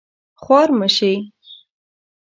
خوار مه شې